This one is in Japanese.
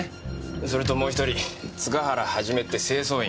それともう１人塚原一って清掃員。